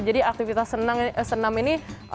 jadi aktivitas senam ini